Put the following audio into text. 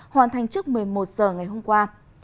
hoàn thành trước một mươi một h ngày hôm qua